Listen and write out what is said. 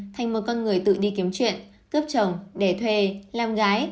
thành một con người tự đi kiếm chuyện cướp chồng để thuê làm gái